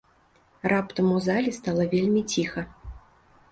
Раптам у зале стала вельмі ціха.